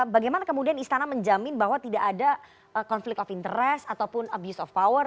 bagaimana kemudian istana menjamin bahwa tidak ada konflik of interest ataupun abuse of power